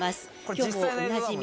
今日もおなじみ